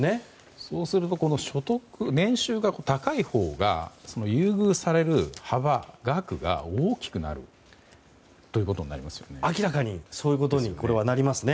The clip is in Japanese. そうすると年収が高いほうが優遇される幅、額が大きくなるということになりますよね？